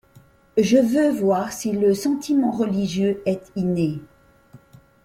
Je veux voir si le sentiment religieux est inné.